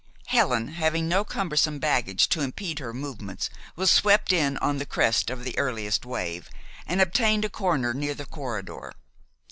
Helen, having no cumbersome baggage to impede her movements, was swept in on the crest of the earliest wave, and obtained a corner near the corridor.